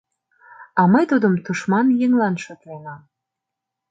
А мый тудым тушман еҥлан шотленам.